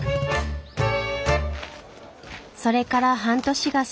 それから半年が過ぎました。